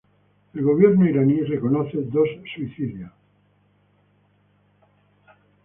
El gobierno iraní reconoce dos suicidios.